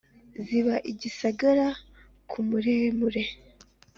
ziba igisagara ku muremure